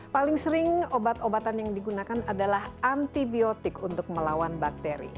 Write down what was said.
paling sering obat obatan yang digunakan adalah antibiotik untuk melawan bakteri